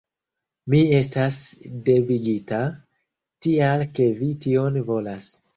Mi estas devigita, tial ke vi tion volas.